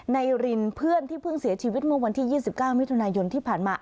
รินเพื่อนที่เพิ่งเสียชีวิตเมื่อวันที่๒๙มิถุนายนที่ผ่านมา